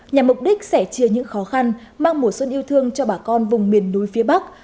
nhằm mục đích sẻ chia những khó khăn mang mùa xuân yêu thương cho bà con vùng miền núi phía bắc